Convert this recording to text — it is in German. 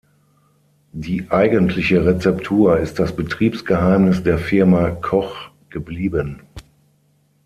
Die eigentliche Rezeptur ist das Betriebsgeheimnis der Firma Koch geblieben.